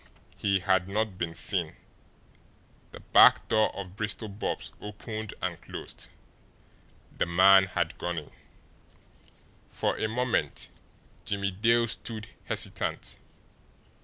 He had not been seen. The back door of Bristol Bob's opened and closed. The man had gone in. For a moment Jimmie Dale stood hesitant.